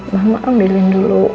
mama ambilin dulu